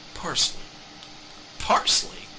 "Parsley." "Parsley!"